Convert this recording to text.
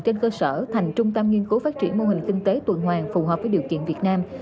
trên cơ sở thành trung tâm nghiên cứu phát triển mô hình kinh tế tuần hoàng phù hợp với điều kiện việt nam